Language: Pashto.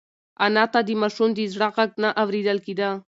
انا ته د ماشوم د زړه غږ نه اورېدل کېده.